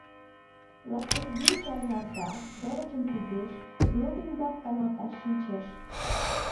— Ластыквий чарналта, шовычым пидеш, лум ӱмбак каналташ шинчеш.